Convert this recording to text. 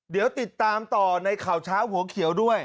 เดี๋ยวติดตามต่อในข่าวเช้าหัวเขียวด้วย